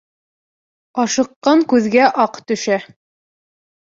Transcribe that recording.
Ашыҡҡан күҙгә аҡ төшә.